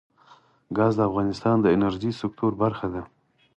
ګاز د افغانستان د انرژۍ سکتور برخه ده.